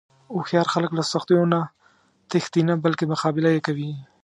هوښیار خلک له سختیو نه تښتي نه، بلکې مقابله یې کوي.